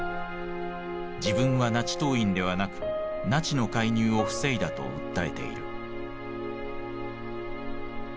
自分はナチ党員ではなくナチの介入を防いだと訴えている。